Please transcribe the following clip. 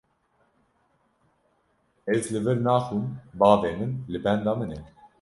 Ez li vir naxwim, bavê min li benda min e.